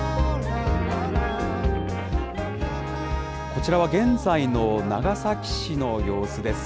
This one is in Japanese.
こちらは現在の長崎市の様子です。